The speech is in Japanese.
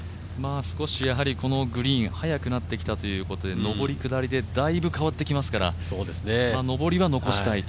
少しこのグリーン速くなってきたということで上り下りでだいぶ変わってきますから、上りは残したいと。